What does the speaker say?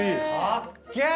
かっけえ！